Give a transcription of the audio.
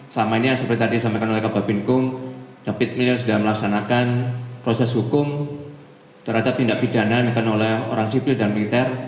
selama ini seperti tadi disampaikan oleh kabar binkung david beliau sudah melaksanakan proses hukum terhadap tindak pidana yang dilakukan oleh orang sipil dan militer